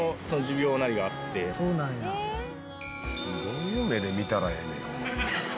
「どういう目で見たらええねん」